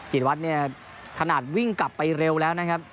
จิตวัตรเนี่ยขนาดวิ่งกลับไปเร็วแล้วนะครับ